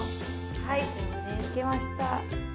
はいできました。